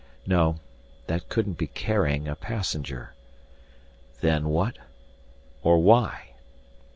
No, that couldn't be carrying a passenger. Then what or why?